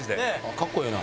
かっこええな。